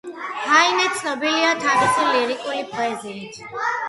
ჰაინე ცნობილია თავისი ლირიკული პოეზიით.